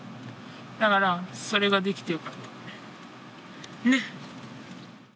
だから、それができてよかった、ねっ。